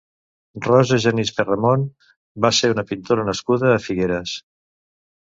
Rosa Genís Perramon va ser una pintora nascuda a Figueres.